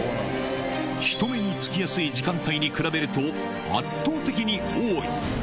人目につきやすい時間帯に比べると、圧倒的に多い。